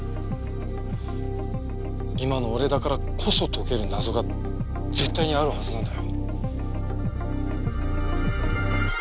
今の俺だからこそ解ける謎が絶対にあるはずなんだよ。